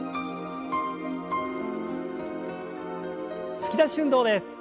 突き出し運動です。